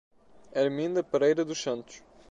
Arminda Pereira dos Santos